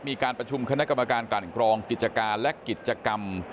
มีการประชุมคณะกรรมการกลั่นกรองกิจการและกิจกรรม